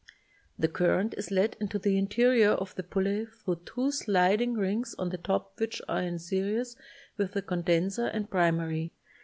The current is led into the interior of the pulley thru two sliding rings on the top which are in series with the con denser and primary.